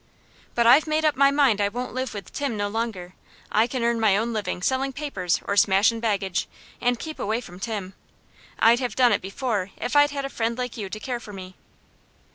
"But I've made up my mind I won't live with Tim no longer. I can earn my own livin' sellin' papers, or smashin' baggage, and keep away from Tim. I'd have done it before if I'd had a friend like you to care for me."